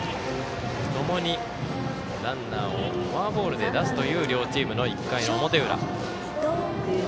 ともにランナーをフォアボールで出すという両チームの１回の表裏。